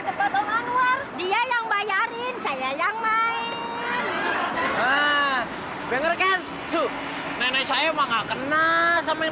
tempat om anwar dia yang bayarin saya yang main bener kan nenek saya emang gak kenal sama yang